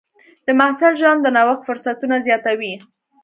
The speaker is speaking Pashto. د محصل ژوند د نوښت فرصتونه زیاتوي.